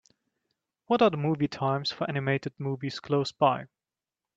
what are the movie times for animated movies close by